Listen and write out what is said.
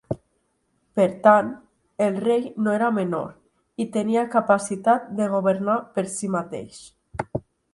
Per tant, el rei no era menor i tenia capacitat de governar per si mateix.